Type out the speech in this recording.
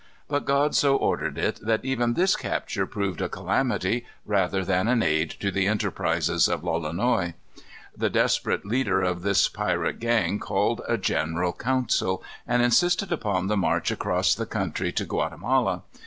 But God so ordered it that even this capture proved a calamity rather than an aid to the enterprises of Lolonois. The desperate leader of this piratic gang called a general council, and insisted upon the march across the country to Guatemala.